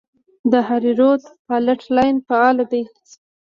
د هریرود فالټ لاین فعال دی